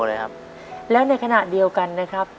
แล้วก็อยากจะอยู่ดูเขาจนเข้ากว่าเขาจะโตเลยครับ